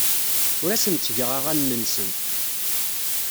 Ur asen-ttgeɣ aɣanen-nsen.